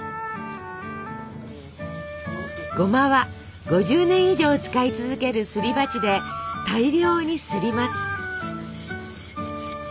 ごまは５０年以上使い続けるすり鉢で大量にすります。